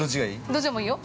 ◆どっちでもいいよ。